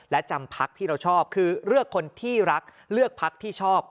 และจำพักที่เราชอบคือเลือกคนที่รักเลือกพักที่ชอบ